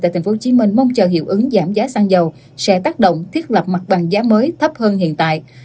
tại tp hcm mong chờ hiệu ứng giảm giá xăng dầu sẽ tác động thiết lập mặt bằng giá mới thấp hơn hiện tại